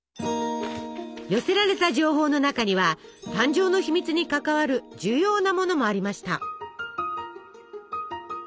寄せられた情報の中には誕生の秘密に関わる重要なものもありました。